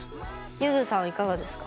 ゆずさん、いかがですか？